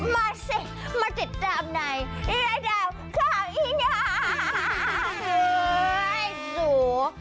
มาสิมาติดตามในยายดาวข่าวอินยัง